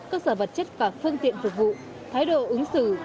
cơ sở vật chất và phương tiện phục vụ thái độ ứng xử